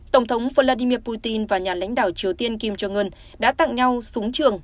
tổng thống vladimir putin và nhà lãnh đạo triều tiên kim jong un đã tặng nhau súng trường